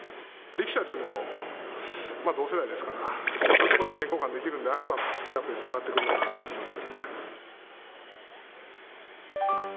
力士たちも同世代ですからそういうところで意見交換できるのであればスキルアップにつながるのかなと思います。